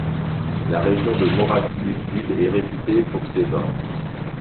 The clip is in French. La région de Moravie-du-Sud est réputée… pour ses vins.